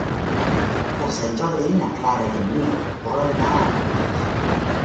Per Sant Jordi na Clara i en Nil volen anar a Nulles.